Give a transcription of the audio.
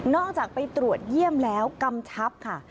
จากไปตรวจเยี่ยมแล้วกำชับค่ะ